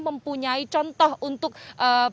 mempunyai contoh untuk membelajaran tetap muka